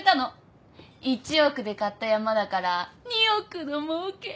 １億で買った山だから２億のもうけ。